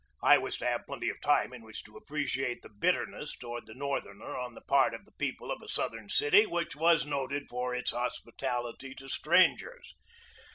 I was to have plenty of time in which to appreciate the bitterness toward the Northerner on the part of the people of a Southern city which was noted for its hospitality to strangers.